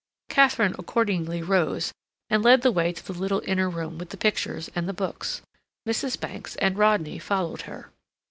Katharine accordingly rose, and led the way to the little inner room with the pictures and the books. Mrs. Bankes and Rodney followed her.